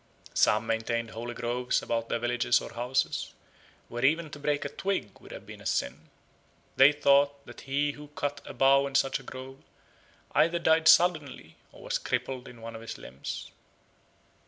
Some maintained holy groves about their villages or houses, where even to break a twig would have been a sin. They thought that he who cut a bough in such a grove either died suddenly or was crippled in one of his limbs.